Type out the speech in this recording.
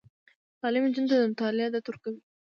تعلیم نجونو ته د مطالعې عادت ورکوي.